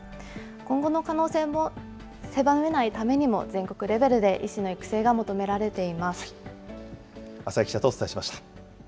今後の可能性も狭めないためにも、全国レベルで医師の育成が求められています。